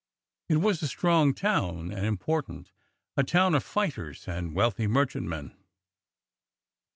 It was a strong town and important, a town of fighters and wealthy merchantmen.